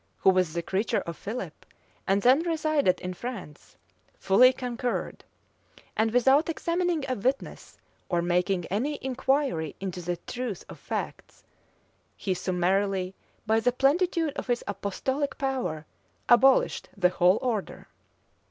who was the creature of Philip, and then resided in France, fully concurred; and without examining a witness, or making any inquiry into the truth of facts, he summarily, by the plenitude of his apostolic power, abolished the whole order.